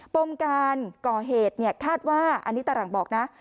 ปมการก่อเหตุเนี่ยคาดว่าอันนี้ตารางบอกนะ